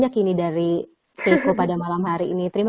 sekali semua tentu aja istrinya